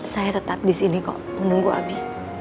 saya tetap di sini kok menunggu abi